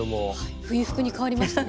冬服に変わりましたね。